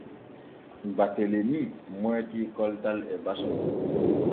Baatelemi moytii koltal e basu.